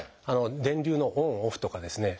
電流のオンオフとかですね